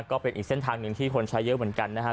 ก็เป็นอีกเส้นทางหนึ่งที่คนใช้เยอะเหมือนกันนะครับ